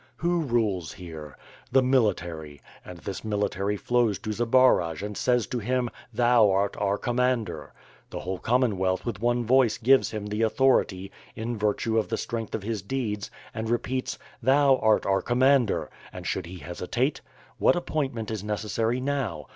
Who rules here? The military — and this military flows to Zbaraj and says to him "Thou art our commander." The whole Commonwealth with one voice gives him the authority, in virtue of the strength of his deeds, and repeats, "Thou art our com mander," and s hould he hesitate? What appointment is necessary now?